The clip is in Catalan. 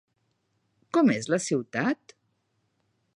Com és la ciutat?